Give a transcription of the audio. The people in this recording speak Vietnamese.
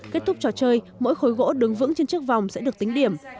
kết thúc trò chơi mỗi khối gỗ đứng vững trên chiếc vòng sẽ được tính điểm